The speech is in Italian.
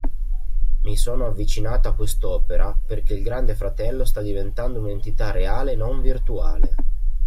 Mi sono avvicinato a quest'opera perché il Grande Fratello sta diventando un'entità reale e non virtuale.